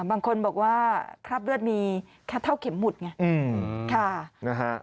บางคนบอกว่าคราบเลือดมีเท่าเข็มหมุดไงอืมค่ะนะฮะ